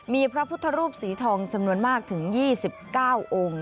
มีพระพุทธรูปสีทองจำนวนมากถึง๒๙องค์